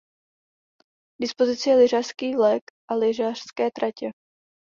K dispozici je lyžařský vlek a lyžařské tratě.